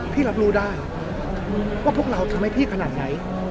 พี่รับรู้ได้ว่าพวกเราทำให้พี่ขนาดไหน